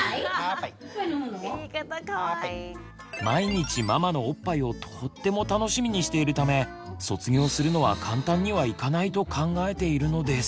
毎日ママのおっぱいをとっても楽しみにしているため卒業するのは簡単にはいかないと考えているのです。